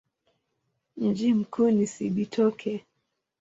Mji mkuu ni Cibitoke.